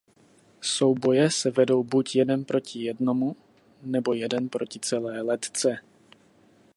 Souboje se vedou buď jeden proti jednomu nebo jeden proti celé letce.